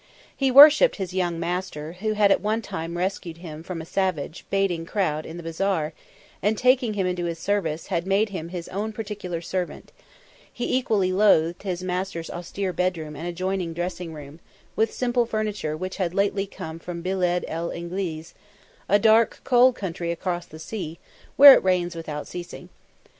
He worshipped his young master, who had one time rescued him from a savage, baiting crowd in the bazaar and taking him into his service had made him his own particular servant; he equally loathed his master's austere bedroom and adjoining dressing room, with simple furniture which had lately come from Bilid el Ingliz, a dark, cold country across the sea, where it rains without ceasing.